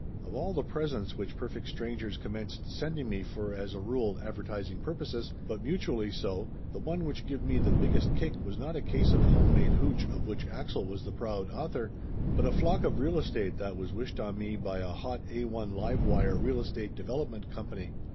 Of all the presents which perfect strangers com menced sending me for as a rule advertising purposes, but mutually so, the one which give me the biggest kick was not a case of homemade hootch of which Axel was the proud author, but a flock of real estate that was wished on me by a hot A i livewire real estate de velopment company.